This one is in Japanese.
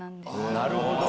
なるほど。